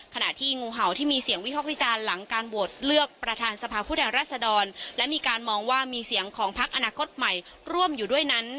ขณะที่งูเห่าที่มีเสียงวิพากษ์วิจารณ์หลังการโหวตเลือกประธานสภาพผู้แทนรัศดรและมีการมองว่ามีเสียงของพักอนาคตใหม่ร่วมอยู่ด้วยนั้น